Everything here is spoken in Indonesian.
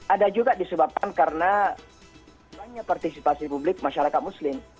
ada juga disebabkan karena banyak partisipasi publik masyarakat muslim